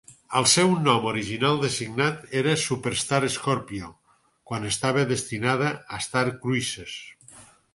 El seu nom original designat era Superstar Scorpio, quan estava destinada a Star Cruises.